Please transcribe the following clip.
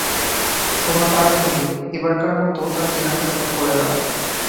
তোমার পায়ে ধরি, এবারকার মতো তার দেনাটা শোধ করে দাও।